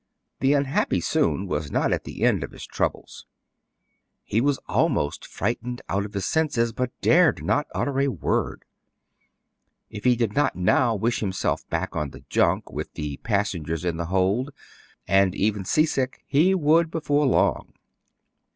The unhappy Soun was not at the end of his troubles. He was almost frightened out of his senses, but dared not utter a word. If he drd not now wish himself back on the junk, with the pas sengers in the hold, and even seasick, he would before long.